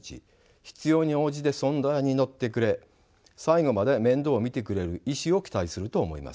必要に応じて相談に乗ってくれ最後まで面倒を見てくれる医師を期待すると思います。